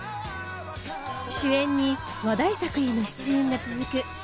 主演に話題作への出演が続く